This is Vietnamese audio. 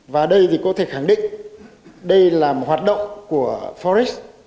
và đây thì có thể khẳng định đây là một hoạt động của forex